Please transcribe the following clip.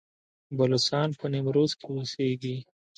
بلوڅان په نیمروز کې اوسیږي؟